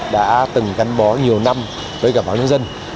đã từng gắn bó nhiều năm với cả báo nhân dân